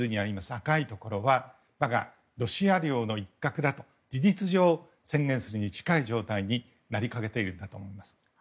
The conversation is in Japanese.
赤いところは我がロシア領の一角だと事実上宣言するに近い状態になりかけているんだと思います。